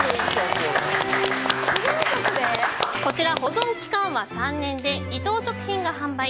こちら保存期間は３年で伊藤食品が販売。